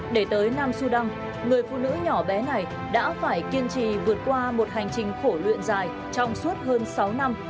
để tới nam sudan người phụ nữ nhỏ bé này đã phải kiên trì vượt qua một hành trình khổ luyện dài trong suốt hơn sáu năm